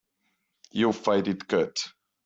You fight it cut.